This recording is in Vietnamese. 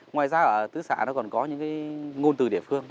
ngoài ra ở tứ xã nó còn có những cái ngôn từ địa phương